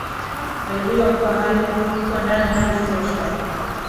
Alijua kuwa ndani hali sio shwari